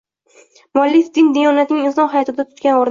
muallif din-diyonatning inson hayotida tutgan o‘rni